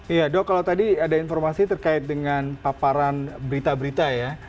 iya dok kalau tadi ada informasi terkait dengan paparan berita berita ya